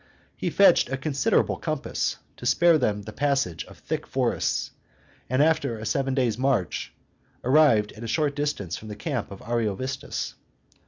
He fetched a considerable compass, to spare them the passage of thick forests, and, after a seven days' march, arrived at a short distance from the camp of Ariovistus.